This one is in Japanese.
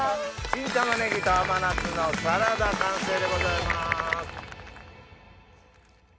新たまねぎと甘夏のサラダ完成でございます。